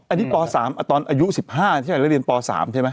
อันนี้ป๙ตอนอายุ๑๕ที่เราเรียนป๙ใช่ไหม